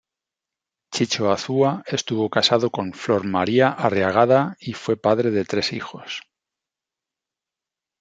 Chicho Azúa estuvo casado con Flor María Arriagada y fue padre de tres hijos.